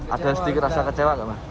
ada sedikit rasa kecewa gak